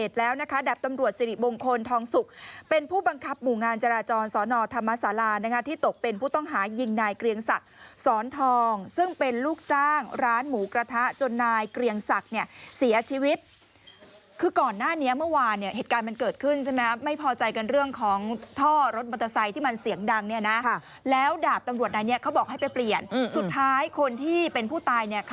สนธรรมศาลาก็ควบคุมตัวดับตำรวจสิริบงคลทองศุกร์เป็นผู้บังคับหมู่งานจราจรสนธรรมศาลาก็ควบคุมตัวดับตำรวจสิริบงคลทองศุกร์เป็นผู้บังคับหมู่งานจราจรสนธรรมศาลาก็ควบคุมตัวดับตำรวจสนธรรมศาลาก็ควบคุมตัวดับตำรวจสนธรรมศาลาก็ควบคุมตัวดั